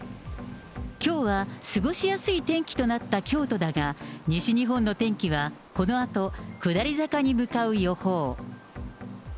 きょうは過ごしやすい天気となった京都だが、西日本の天気は、このあと下り坂に向かう予報。